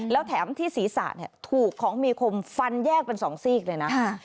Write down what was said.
แล้วแถมที่ศีรษะถูกของมีคมฟันแยกเป็น๒ซีกเลยนะ